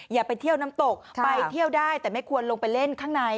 อย่าไปเที่ยวน้ำตกไปเที่ยวได้แต่ไม่ควรลงไปเล่นข้างใน